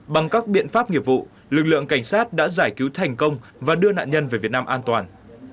bằng các biện pháp nghiệp vụ lực lượng cảnh sát đã giải cứu thành công và đưa nạn nhân về việt nam an toàn